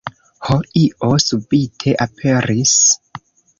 Ho, io subite aperis!